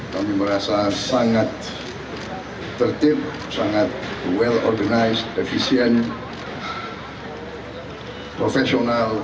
kami merasa sangat tertib sangat well organized efisien profesional